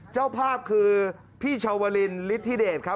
เจ้าภาพคือพี่ชาวลินฤทธิเดชครับ